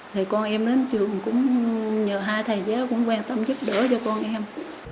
thì con em đến trường cũng nhờ hai thầy giáo cũng quan tâm giúp đỡ cho con em